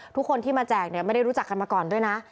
ทุกคนที่มาแจกเนี่ยไม่ได้รู้จักกันมาก่อนด้วยนะ